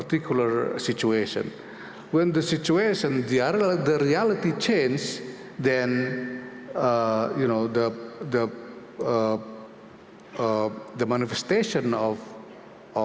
retno juga menyampaikan bahwa dia akan menjelaskan keberpihakan indonesia terhadap palestina "